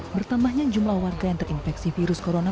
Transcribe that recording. bertambahnya jumlah warga yang terinfeksi virus corona